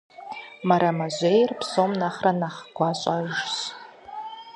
Мэрэмэжьейр псом нэхърэ нэхъ гуащӀэжщ.